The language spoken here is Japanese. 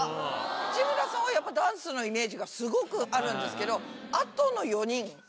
内村さんはやっぱダンスのイメージがスゴくあるんですけどあとの４人。